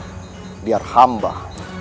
dann menangkan mereka